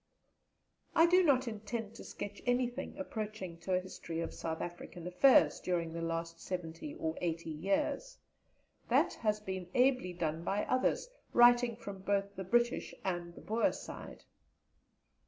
I do not intend to sketch anything approaching to a history of South African affairs during the last seventy or eighty years; that has been ably done by others, writing from both the British and the Boer side.